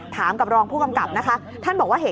ก็ไม่มีอำนาจ